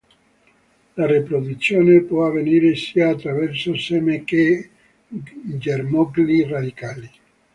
La riproduzione può avvenire sia attraverso seme che germogli radicali.